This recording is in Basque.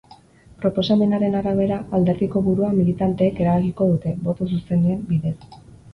Proposamenaren arabera, alderdiko burua militanteek erabakiko dute, boto zuzenen bidez.